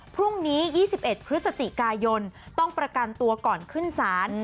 พรุ่งนี้๒๑พฤศจิกายนต้องประกันตัวก่อนขึ้นศาล